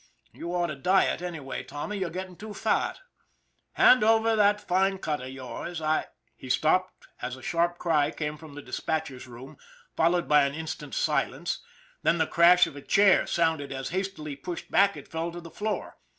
You ought to diet anyway, Tommy, you're getting too fat. Hand over that fine cut of yours, I " He stopped as a sharp cry came from the dispatcher's room, followed by an instant's silence, then the crash of a chair sounded as, hastily pushed back, it fell to the floor.